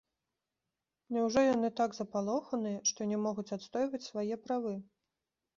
Няўжо яны так запалоханыя, што не могуць адстойваць свае правы?